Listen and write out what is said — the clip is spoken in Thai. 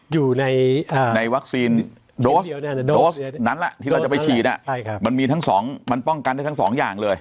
อยู่ในวัคซีนโดสโดสนั้นที่เราจะไปฉีดมันมีทั้งสองมันป้องกันได้ทั้งสองอย่างเลย